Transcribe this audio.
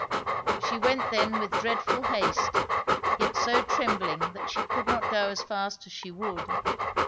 She went then with dreadful haste, yet so trembling that she could not go as fast as she would.